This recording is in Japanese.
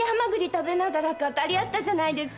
食べながら語り合ったじゃないですか。